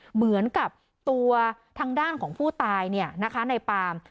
เหมือนกับตัวทางด้านของผู้ตายในปาล์ม